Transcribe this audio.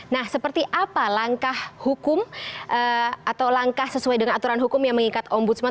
nah seperti apa langkah hukum atau langkah sesuai dengan aturan hukum yang mengikat ombudsman